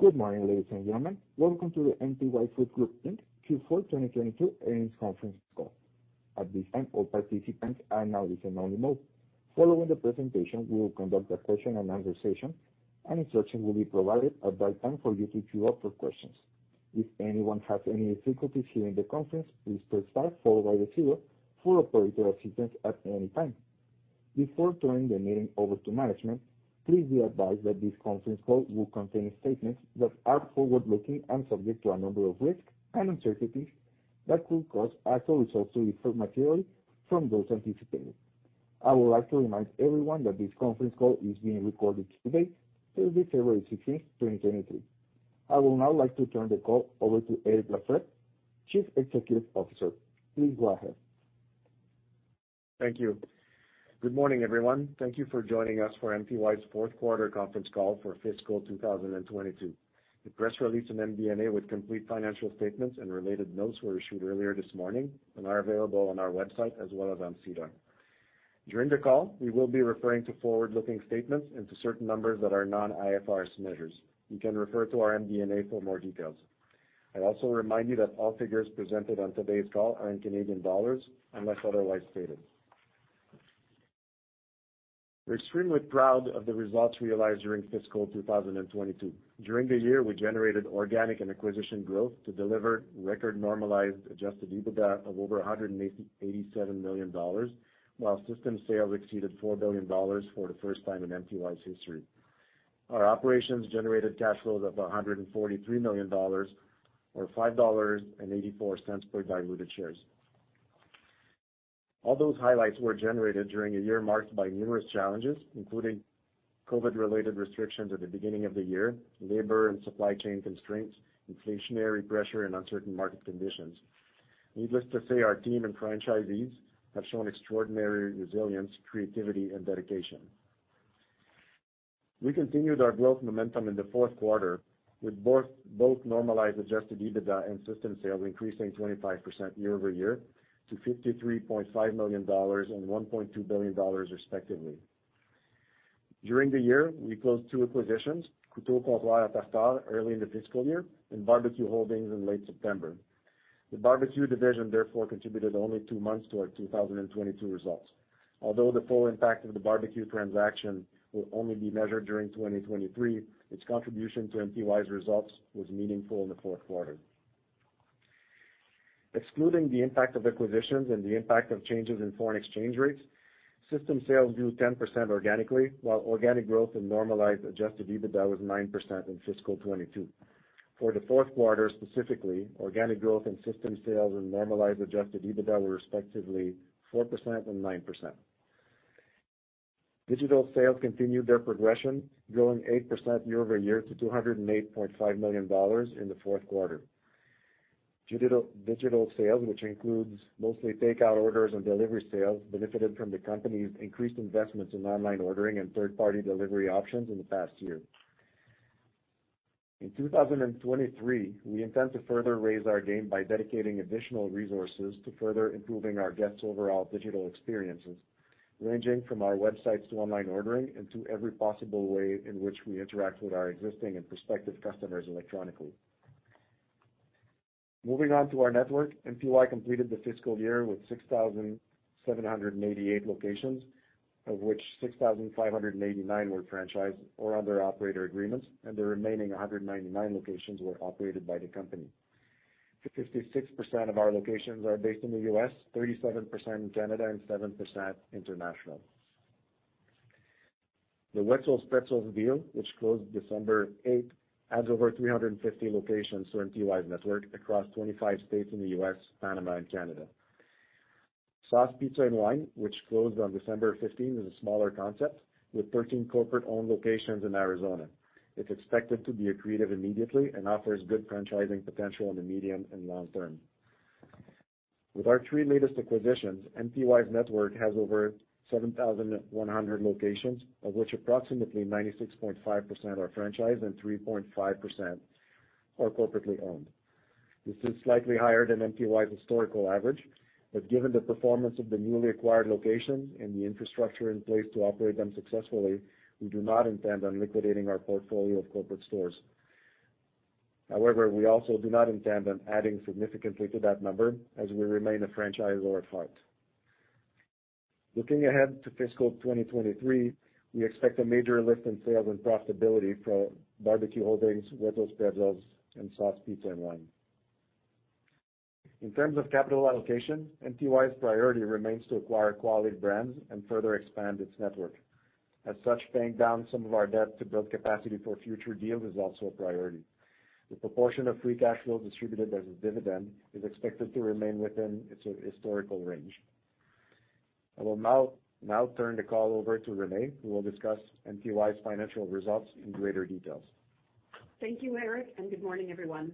Good morning, ladies and gentlemen. Welcome to the MTY Food Group Inc. Q4 2022 Earnings Conference Call. At this time, all participants are in listen-only mode. Following the presentation, we will conduct a question and answer session, and instructions will be provided at that time for you to queue up for questions. If anyone has any difficulties hearing the conference, please press star followed by the zero for operator assistance at any time. Before turning the meeting over to management, please be advised that this conference call will contain statements that are forward-looking and subject to a number of risks and uncertainties that could cause actual results to differ materially from those anticipated. I would like to remind everyone that this conference call is being recorded today, Thursday, February 16th, 2023. I would now like to turn the call over to Eric Lefebvre, Chief Executive Officer. Please go ahead. Thank you. Good morning, everyone. Thank you for joining us for MTY's fourth quarter conference call for fiscal 2022. The press release in MD&A with complete financial statements and related notes were issued earlier this morning and are available on our website as well as on SEDAR. During the call, we will be referring to forward-looking statements and to certain numbers that are non-IFRS measures. You can refer to our MD&A for more details. I'd also remind you that all figures presented on today's call are in Canadian dollars unless otherwise stated. We're extremely proud of the results realized during fiscal 2022. During the year, we generated organic and acquisition growth to deliver record normalized adjusted EBITDA of over 187 million dollars, while system sales exceeded 4 billion dollars for the first time in MTY's history. Our operations generated cash flows of 143 million dollars or 5.84 dollars per diluted shares. All those highlights were generated during a year marked by numerous challenges, including COVID-related restrictions at the beginning of the year, labor and supply chain constraints, inflationary pressure, and uncertain market conditions. Needless to say, our team and franchisees have shown extraordinary resilience, creativity, and dedication. We continued our growth momentum in the fourth quarter, with both normalized adjusted EBITDA and system sales increasing 25% year-over-year to $53.5 million and $1.2 billion, respectively. During the year, we closed two Küto Comptoir à Tartares early in the fiscal year and BBQ Holdings in late September. The BBQ division therefore contributed only two months to our 2022 results. Although the full impact of the BBQ transaction will only be measured during 2023, its contribution to MTY's results was meaningful in the fourth quarter. Excluding the impact of acquisitions and the impact of changes in foreign exchange rates, system sales grew 10% organically, while organic growth in normalized adjusted EBITDA was 9% in fiscal 2022. For the fourth quarter, specifically, organic growth in system sales and normalized adjusted EBITDA were respectively 4% and 9%. Digital sales continued their progression, growing 8% year-over-year to $208.5 million in the fourth quarter. Digital sales, which includes mostly takeout orders and delivery sales, benefited from the company's increased investments in online ordering and third-party delivery options in the past year. In 2023, we intend to further raise our game by dedicating additional resources to further improving our guests' overall digital experiences, ranging from our websites to online ordering and to every possible way in which we interact with our existing and prospective customers electronically. Moving on to our network, MTY completed the fiscal year with 6,788 locations, of which 6,589 were franchised or under operator agreements, and the remaining 199 locations were operated by the company. 56% of our locations are based in the U.S., 37% in Canada, and 7% international. The Wetzel's Pretzels deal, which closed December 8th, adds over 350 locations to MTY's network across 25 states in the U.S., Panama, and Canada. Sauce Pizza & Wine, which closed on December 15th, is a smaller concept with 13 corporate-owned locations in Arizona. It's expected to be accretive immediately and offers good franchising potential in the medium and long term. With our 3 latest acquisitions, MTY's network has over 7,100 locations, of which approximately 96.5% are franchised and 3.5% are corporately owned. This is slightly higher than MTY's historical average, but given the performance of the newly acquired locations and the infrastructure in place to operate them successfully, we do not intend on liquidating our portfolio of corporate stores. We also do not intend on adding significantly to that number as we remain a franchisor at heart. Looking ahead to fiscal 2023, we expect a major lift in sales and profitability for BBQ Holdings, Wetzel's Pretzels, and Sauce Pizza & Wine. In terms of capital allocation, MTY's priority remains to acquire quality brands and further expand its network. Paying down some of our debt to build capacity for future deals is also a priority. The proportion of free cash flow distributed as a dividend is expected to remain within its historical range. I will now turn the call over to Renée, who will discuss MTY's financial results in greater details. Thank you, Eric. Good morning, everyone.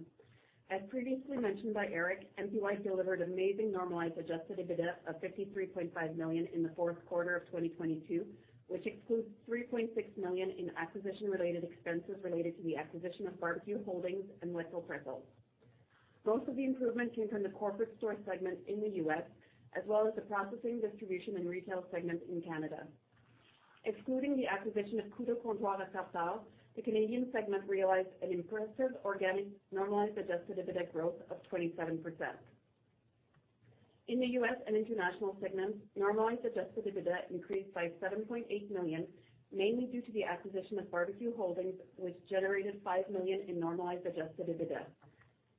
As previously mentioned by Eric, MTY delivered amazing normalized adjusted EBITDA of 53.5 million in the fourth quarter of 2022, which excludes 3.6 million in acquisition-related expenses related to the acquisition of BBQ Holdings and Wetzel's Pretzels. Most of the improvement came from the corporate store segment in the U.S., as well as the processing, distribution, and retail segment in Canada. Excluding the acquisition of Küto Comptoir à Tartares, the Canadian segment realized an impressive organic normalized adjusted EBITDA growth of 27%. In the U.S. and international segments, normalized adjusted EBITDA increased by $7.8 million, mainly due to the acquisition of BBQ Holdings, which generated $5 million in normalized adjusted EBITDA.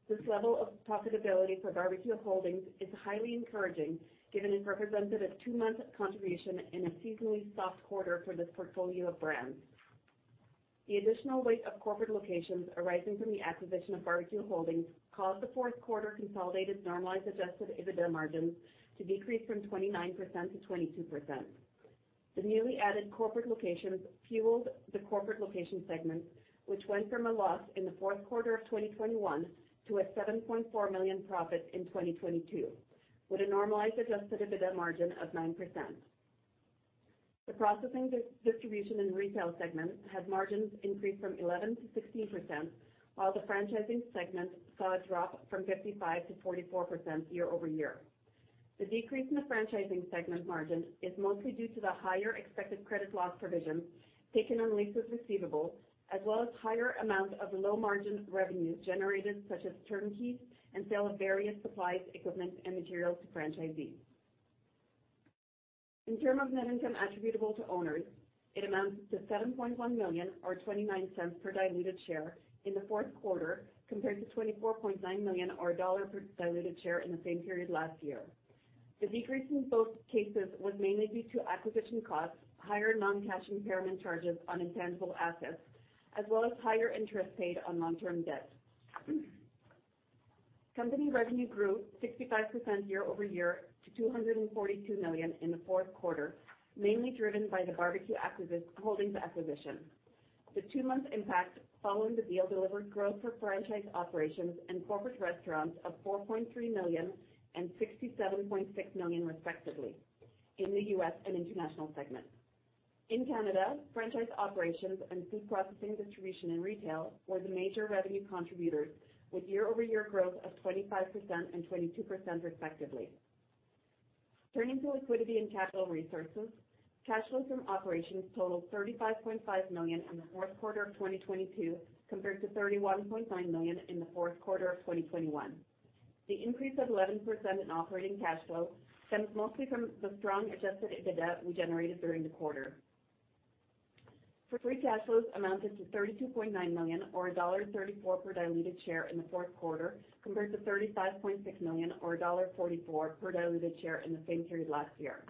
This level of profitability for BBQ Holdings is highly encouraging, given it represented a two-month contribution in a seasonally soft quarter for this portfolio of brands. The additional weight of corporate locations arising from the acquisition of BBQ Holdings caused the fourth quarter consolidated normalized adjusted EBITDA margins to decrease from 29% to 22%. The newly added corporate locations fueled the corporate location segment, which went from a loss in the 4th quarter of 2021 to a 7.4 million profit in 2022, with a normalized adjusted EBITDA margin of 9%. The processing distribution and retail segment had margins increase from 11% to 16%, while the franchising segment saw a drop from 55% to 44% year-over-year. The decrease in the franchising segment margin is mostly due to the higher expected credit loss provision taken on leases receivable, as well as higher amount of low-margin revenues generated, such as turnkeys and sale of various supplies, equipment, and materials to franchisees. In term of net income attributable to owners, it amounts to 7.1 million or 0.29 per diluted share in the fourth quarter, compared to 24.9 million or CAD 1.00 per diluted share in the same period last year. The decrease in both cases was mainly due to acquisition costs, higher non-cash impairment charges on intangible assets, as well as higher interest paid on long-term debt. Company revenue grew 65% year-over-year to 242 million in the fourth quarter, mainly driven by the BBQ Holdings acquisition. The two-month impact following the deal delivered growth for franchise operations and corporate restaurants of 4.3 million and 67.6 million, respectively, in the U.S. and international segments. In Canada, franchise operations and food processing, distribution and retail were the major revenue contributors, with year-over-year growth of 25% and 22%, respectively. Turning to liquidity and capital resources, cash flows from operations totaled 35.5 million in the fourth quarter of 2022 compared to 31.9 million in the fourth quarter of 2021. The increase of 11% in operating cash flow stems mostly from the strong adjusted EBITDA we generated during the quarter. For free cash flows amounted to 32.9 million or dollar 1.34 per diluted share in the fourth quarter compared to 35.6 million or dollar 1.44 per diluted share in the same period last year.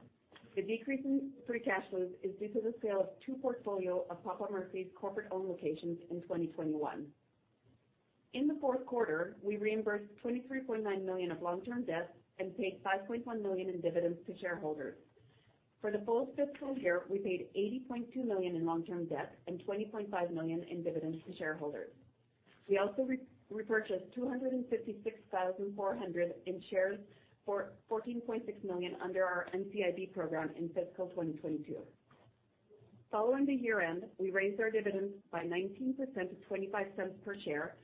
The decrease in free cash flows is due to the sale of two portfolio of Papa Murphy's corporate-owned locations in 2021. In the fourth quarter, we reimbursed 23.9 million of long-term debt and paid 5.1 million in dividends to shareholders. For the full fiscal year, we paid 80.2 million in long-term debt and 20.5 million in dividends to shareholders. We also repurchased 256,400 shares for 14.6 million under our NCIB program in fiscal 2022. Following the year-end, we raised our dividends by 19% to 0.25 per share.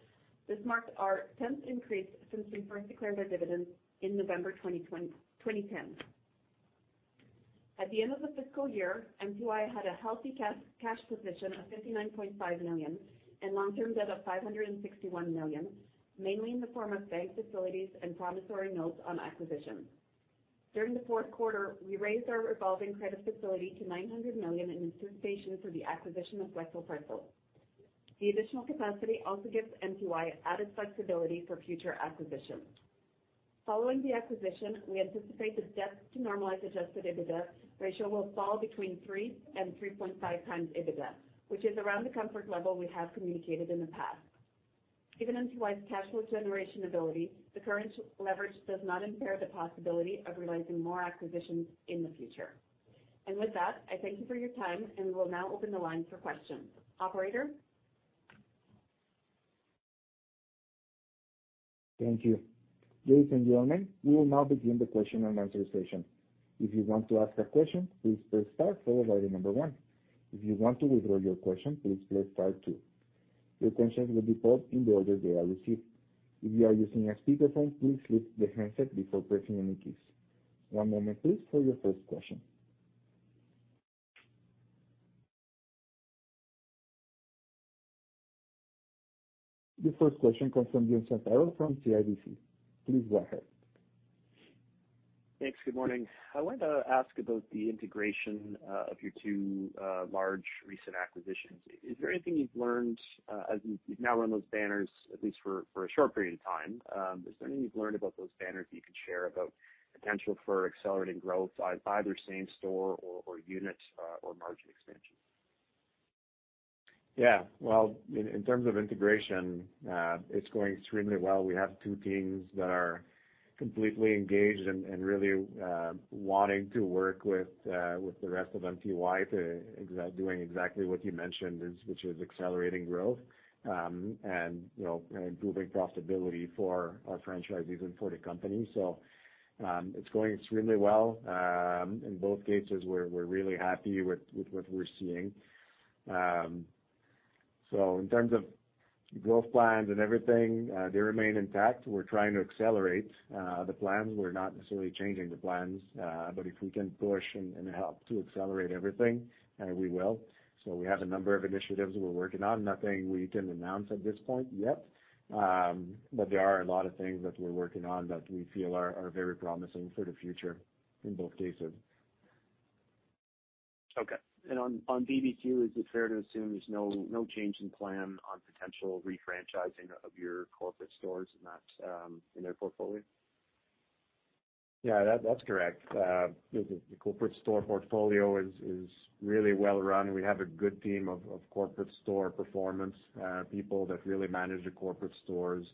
This marked our 10th increase since we first declared our dividends in November 2010. At the end of the fiscal year, MTY had a healthy cash position of 59.5 million and long-term debt of 561 million, mainly in the form of bank facilities and promissory notes on acquisitions. During the fourth quarter, we raised our revolving credit facility to 900 million in anticipation for the acquisition of Wetzel's Pretzels. The additional capacity also gives MTY added flexibility for future acquisitions. Following the acquisition, we anticipate the debt to normalized adjusted EBITDA ratio will fall between 3 and 3.5 times EBITDA, which is around the comfort level we have communicated in the past. Given MTY's cash flow generation ability, the current leverage does not impair the possibility of realizing more acquisitions in the future. With that, I thank you for your time, and we'll now open the line for questions. Operator? Thank you. Ladies and gentlemen, we will now begin the question and answer session. If you want to ask a question, please press star followed by the number one. If you want to withdraw your question, please press star two. Your questions will be posed in the order they are received. If you are using a speakerphone, please lift the handset before pressing any keys. One moment please for your first question. Your first question comes from John Zamparo from CIBC. Please go ahead. Yeah. Well, in terms of integration, it's going extremely well. We have two teams that are completely engaged and really wanting to work with the rest of MTY doing exactly what you mentioned is, which is accelerating growth, and, you know, improving profitability for our franchisees and for the company. It's going extremely well. In both cases, we're really happy with what we're seeing. In terms of growth plans and everything, they remain intact. We're trying to accelerate the plans. We're not necessarily changing the plans, but if we can push and help to accelerate everything, we will. We have a number of initiatives we're working on. Nothing we can announce at this point yet, but there are a lot of things that we're working on that we feel are very promising for the future in both cases. Okay. On BBQ, is it fair to assume there's no change in plan on potential refranchising of your corporate stores in that, in their portfolio? Yeah, that's correct. The corporate store portfolio is really well run, and we have a good team of corporate store performance people that really manage the corporate stores.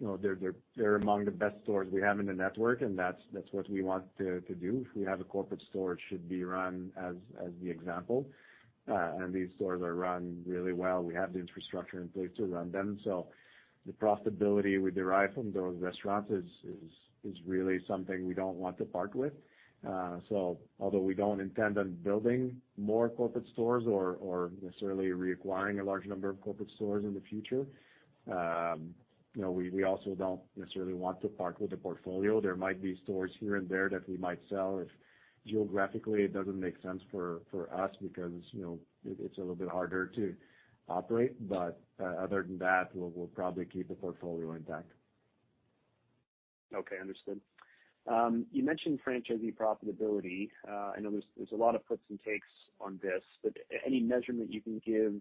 You know, they're among the best stores we have in the network, and that's what we want to do. If we have a corporate store, it should be run as the example, and these stores are run really well. We have the infrastructure in place to run them. The profitability we derive from those restaurants is really something we don't want to part with. Although we don't intend on building more corporate stores or necessarily reacquiring a large number of corporate stores in the future, you know, we also don't necessarily want to part with the portfolio. There might be stores here and there that we might sell if geographically it doesn't make sense for us because, you know, it's a little bit harder to operate. Other than that, we'll probably keep the portfolio intact. Okay, understood. You mentioned franchisee profitability. I know there's a lot of puts and takes on this, but any measurement you can give,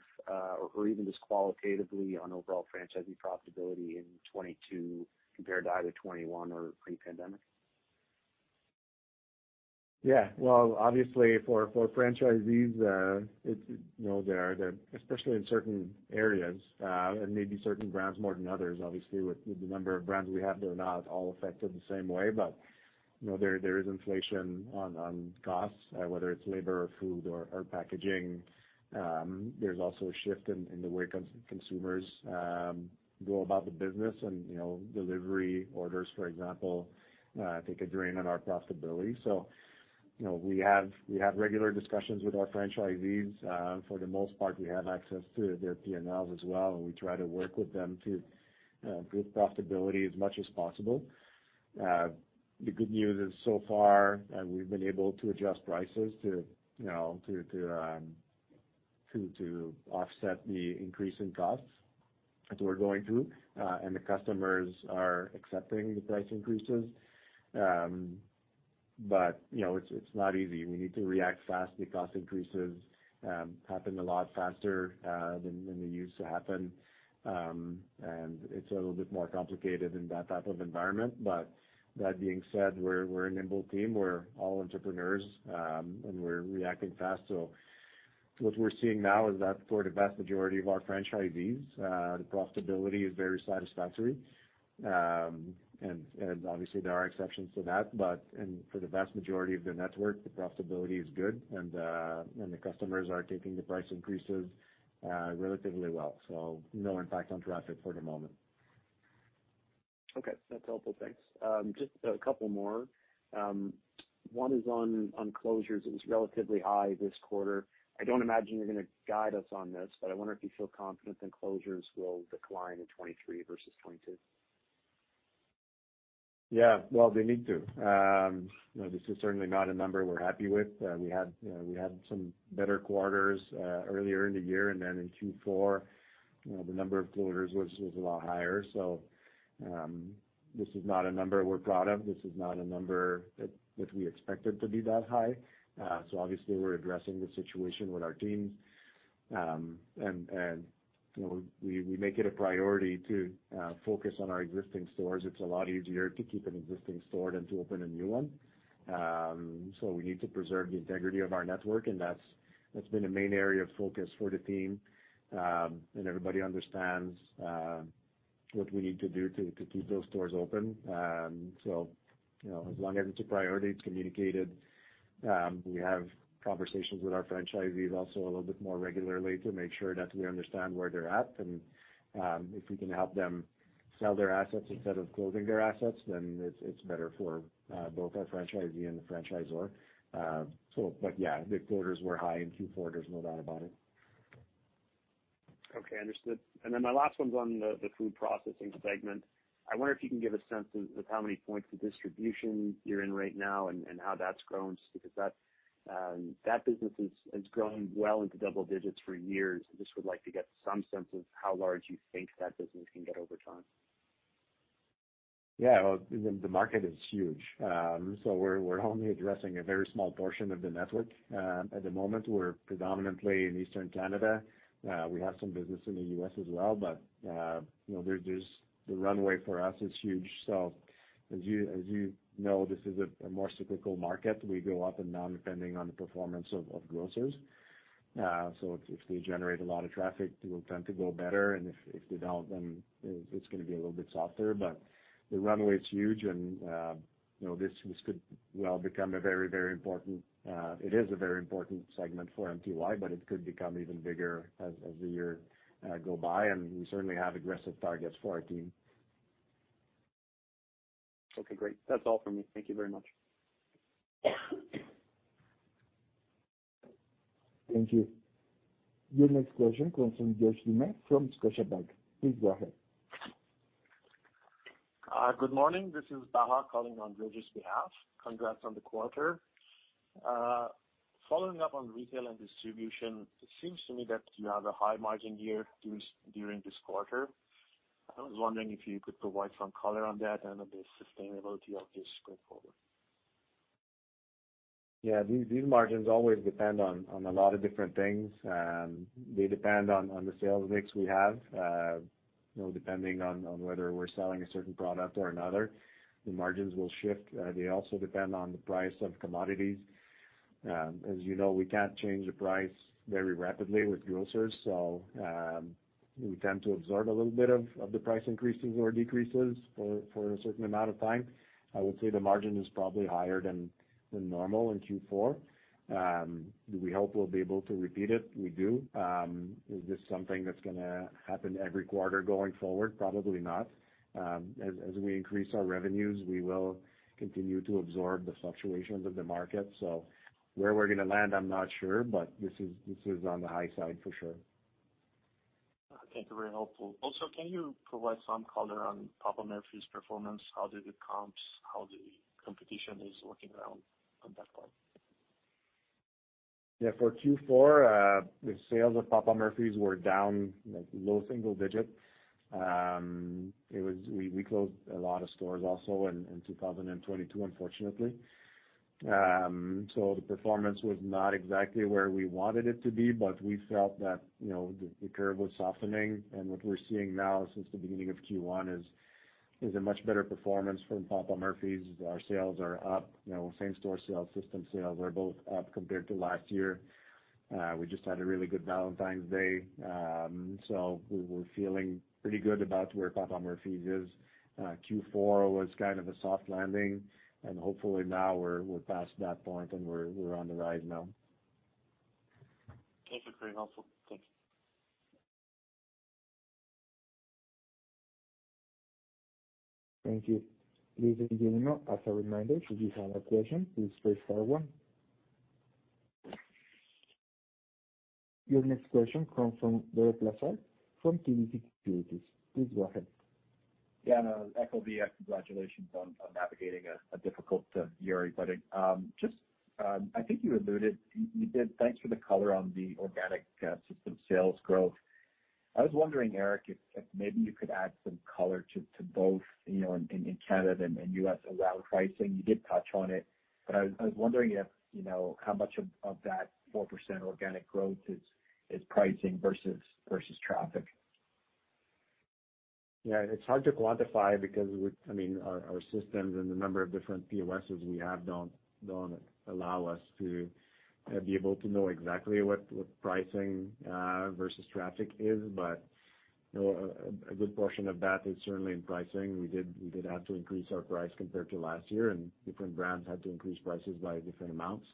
or even just qualitatively on overall franchisee profitability in 2022 compared to either 2021 or pre-pandemic? Yeah. Well, obviously for franchisees, it's, you know, they're especially in certain areas, and maybe certain brands more than others, obviously with the number of brands we have, they're not all affected the same way. You know, there is inflation on costs, whether it's labor or food or packaging. There's also a shift in the way consumers go about the business and, you know, delivery orders, for example, take a drain on our profitability. You know, we have regular discussions with our franchisees. For the most part, we have access to their P&Ls as well, and we try to work with them to improve profitability as much as possible. The good news is so far, we've been able to adjust prices to, you know, to offset the increase in costs as we're going through, and the customers are accepting the price increases. You know, it's not easy. We need to react fast. The cost increases happen a lot faster than they used to happen, and it's a little bit more complicated in that type of environment. That being said, we're a nimble team. We're all entrepreneurs, and we're reacting fast. What we're seeing now is that for the vast majority of our franchisees, the profitability is very satisfactory. Obviously there are exceptions to that, and for the vast majority of the network, the profitability is good, and the customers are taking the price increases, relatively well, so no impact on traffic for the moment. Okay. That's helpful. Thanks. Just a couple more. One is on closures. It was relatively high this quarter. I don't imagine you're going to guide us on this, but I wonder if you feel confident that closures will decline in 2023 vs 2022. Yeah. Well, they need to. You know, this is certainly not a number we're happy with. We had, you know, we had some better quarters earlier in the year, and then in Q4, you know, the number of closures was a lot higher. This is not a number we're proud of. This is not a number that we expected to be that high. Obviously we're addressing the situation with our teams. And, you know, we make it a priority to focus on our existing stores. It's a lot easier to keep an existing store than to open a new one. We need to preserve the integrity of our network, and that's been a main area of focus for the team. Everybody understands what we need to do to keep those stores open. So, you know, as long as it's a priority, it's communicated, we have conversations with our franchisees also a little bit more regularly to make sure that we understand where they're at. If we can help them sell their assets instead of closing their assets, then it's better for both our franchisee and the franchisor. Yeah, the closures were high in Q4. There's no doubt about it. Okay, understood. My last one's on the food processing segment. I wonder if you can give a sense of how many points of distribution you're in right now and how that's grown just because that business is growing well into double digits for years. I just would like to get some sense of how large you think that business can get over time. Yeah. Well, the market is huge. We're only addressing a very small portion of the network. At the moment, we're predominantly in Eastern Canada. We have some business in the U.S. as well, you know, there's the runway for us is huge. As you know, this is a more cyclical market. We go up and down depending on the performance of grocers. If they generate a lot of traffic, we will tend to go better, if they don't, then it's gonna be a little bit softer. The runway is huge, and, you know, this could well become a very important, it is a very important segment for MTY, but it could become even bigger as the year, go by, and we certainly have aggressive targets for our team. Okay, great. That's all for me. Thank you very much. Thank you. Your next question comes from George Doumet from Scotiabank. Please go ahead. Good morning. This is Taha calling on George's behalf. Congrats on the quarter. Following up on retail and distribution, it seems to me that you have a high margin year during this quarter. I was wondering if you could provide some color on that and the sustainability of this going forward. Yeah. These margins always depend on a lot of different things. They depend on the sales mix we have. You know, depending on whether we're selling a certain product or another, the margins will shift. They also depend on the price of commodities. As you know, we can't change the price very rapidly with grocers, so we tend to absorb a little bit of the price increases or decreases for a certain amount of time. I would say the margin is probably higher than normal in Q4. Do we hope we'll be able to repeat it? We do. Is this something that's gonna happen every quarter going forward? Probably not. As we increase our revenues, we will continue to absorb the fluctuations of the market. Where we're gonna land, I'm not sure, but this is on the high side for sure. Thank you. Very helpful. Can you provide some color on Papa Murphy's performance? How did it comps, how the competition is looking around on that part? Yeah. For Q4, the sales of Papa Murphy's were down like low single digit. We closed a lot of stores also in 2022, unfortunately. The performance was not exactly where we wanted it to be, but we felt that, you know, the curve was softening. What we're seeing now since the beginning of Q1 is a much better performance from Papa Murphy's. Our sales are up, you know, same store sales, system sales are both up compared to last year. We just had a really good Valentine's Day. We were feeling pretty good about where Papa Murphy's is. Q4 was kind of a soft landing and hopefully now we're past that point and we're on the rise now. Thank you. Very helpful. Thank you. Thank you. This is Echo the congratulations on navigating a difficult year everybody. I think you did. Thanks for the color on the organic system sales growth. I was wondering, Eric, if maybe you could add some color to both, you know, in Canada and U.S. around pricing. You did touch on it, I was wondering if, you know, how much of that 4% organic growth is pricing vs traffic. Yeah. It's hard to quantify because I mean, our systems and the number of different POSs we have don't allow us to be able to know exactly what pricing vs traffic is. You know, a good portion of that is certainly in pricing. We did have to increase our price compared to last year, and different brands had to increase prices by different amounts.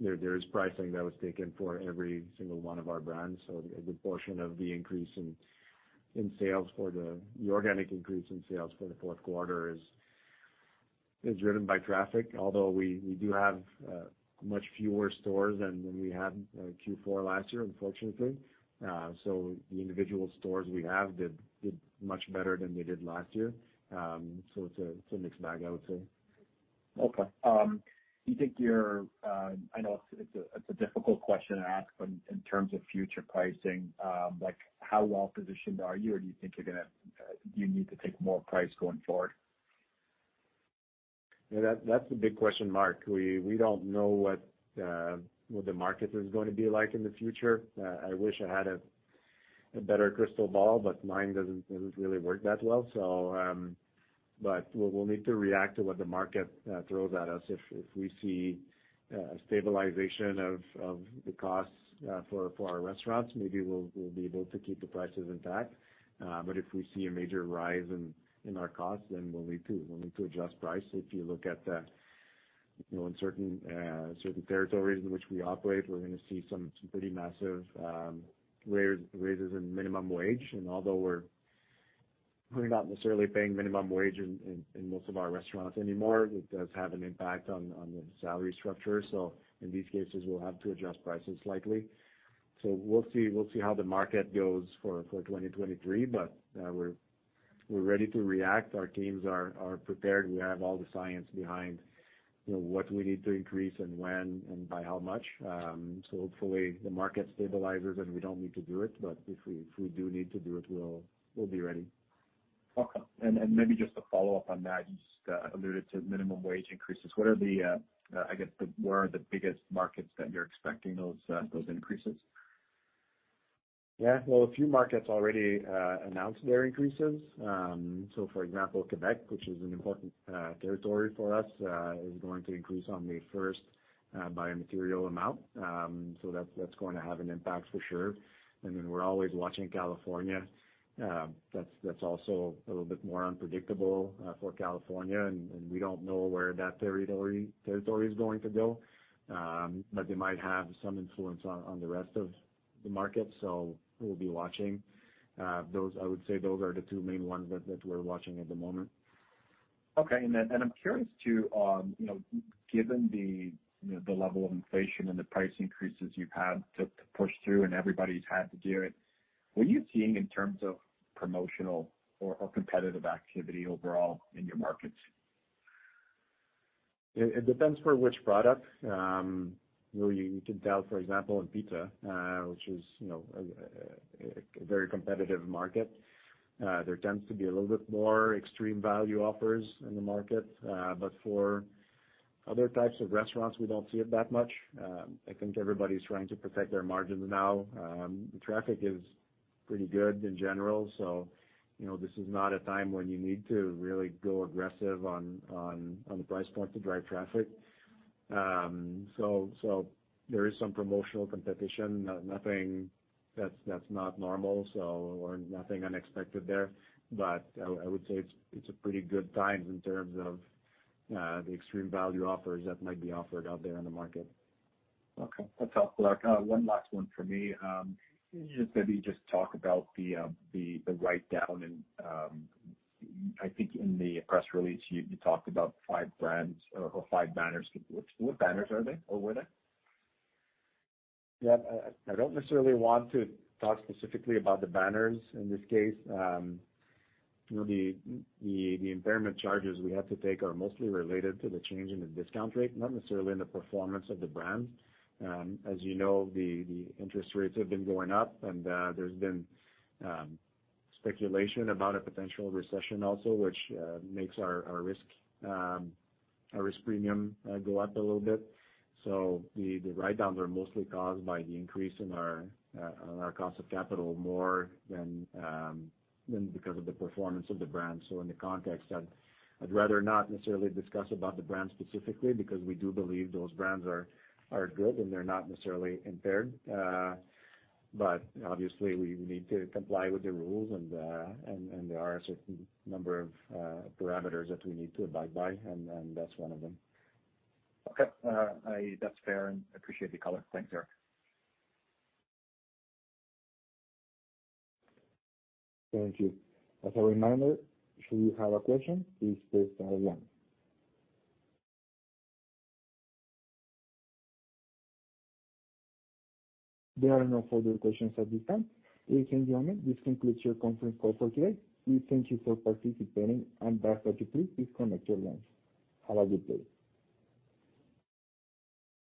There is pricing that was taken for every single one of our brands. A good portion of the increase in sales for the organic increase in sales for the fourth quarter is driven by traffic. Although we do have much fewer stores than we had Q4 last year, unfortunately. The individual stores we have did much better than they did last year. It's a mixed bag, I would say. Okay. I know it's a difficult question to ask, but in terms of future pricing, like how well-positioned are you? Do you need to take more price going forward? Yeah, that's a big question mark. We don't know what the market is going to be like in the future. I wish I had a better crystal ball, but mine doesn't really work that well. We'll need to react to what the market throws at us. If we see stabilization of the costs for our restaurants, maybe we'll be able to keep the prices intact. If we see a major rise in our costs, we'll need to adjust price. If you look at, you know, in certain territories in which we operate, we're gonna see some pretty massive raises in minimum wage. Although we're really not necessarily paying minimum wage in most of our restaurants anymore, it does have an impact on the salary structure. In these cases, we'll have to adjust prices likely. We'll see, we'll see how the market goes for 2023, but we're ready to react. Our teams are prepared. We have all the science behind, you know, what we need to increase and when and by how much. Hopefully the market stabilizes and we don't need to do it. If we do need to do it, we'll be ready. Okay. Maybe just to follow up on that, you just alluded to minimum wage increases. What are the, I guess the, where are the biggest markets that you're expecting those increases? Yeah. Well, a few markets already announced their increases. For example, Quebec, which is an important territory for us, is going to increase on the 1st by a material amount. That's, that's going to have an impact for sure. We're always watching California. That's, that's also a little bit more unpredictable for California and we don't know where that territory is going to go, but they might have some influence on the rest of the market, so we'll be watching. I would say those are the two main ones that we're watching at the moment. Okay. I'm curious to, you know, given the, you know, the level of inflation and the price increases you've had to push through and everybody's had to do it, what are you seeing in terms of promotional or competitive activity overall in your markets? It depends for which product. You know, you could tell, for example, in pizza, which is, you know, a very competitive market, there tends to be a little bit more extreme value offers in the market. For other types of restaurants, we don't see it that much. I think everybody's trying to protect their margins now. The traffic is pretty good in general, so you know, this is not a time when you need to really go aggressive on the price point to drive traffic. There is some promotional competition. Nothing that's not normal, so we're nothing unexpected there. I would say it's a pretty good time in terms of, the extreme value offers that might be offered out there in the market. Okay. That's helpful. One last one for me. Can you just maybe just talk about the write-down in... I think in the press release you talked about five brands or five banners. What banners are they or were they? Yeah. I don't necessarily want to talk specifically about the banners in this case. You know, the, the impairment charges we had to take are mostly related to the change in the discount rate, not necessarily in the performance of the brand. As you know, the interest rates have been going up and, there's been, speculation about a potential recession also which, makes our risk, our risk premium, go up a little bit. The, the write-downs are mostly caused by the increase in our, in our cost of capital more than because of the performance of the brand. In the context, I'd rather not necessarily discuss about the brand specifically because we do believe those brands are good, and they're not necessarily impaired. Obviously we need to comply with the rules and there are a certain number of parameters that we need to abide by and that's one of them. Okay. That's fair and appreciate the color. Thanks, Eric. Thank you. As a reminder, should you have a question, please press star one. There are no further questions at this time. Thank you. This concludes your conference call for today. We thank you for participating, and please disconnect your lines. Have a good day.